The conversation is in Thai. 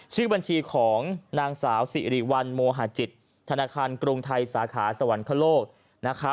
ชื่อบัญชีของนางสาวสิริวัลโมหาจิตธนาคารกรุงไทยสาขาสวรรคโลกนะคะ